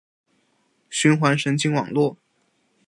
循环神经网络